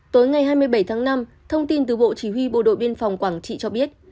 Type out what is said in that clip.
tối ngày hai mươi bảy tháng năm thông tin từ bộ chỉ huy bộ đội biên phòng quảng trị cho biết